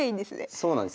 そうなんです。